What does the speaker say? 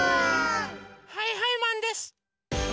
はいはいマンです！